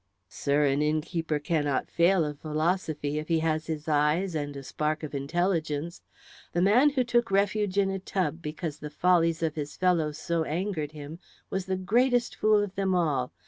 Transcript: "Sir, an innkeeper cannot fail of philosophy if he has his eyes and a spark of intelligence. The man who took refuge in a tub because the follies of his fellows so angered him was the greatest fool of them all.